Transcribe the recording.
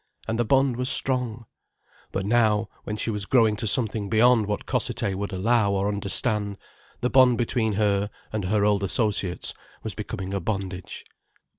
And the bond was strong. But now, when she was growing to something beyond what Cossethay would allow or understand, the bond between her and her old associates was becoming a bondage.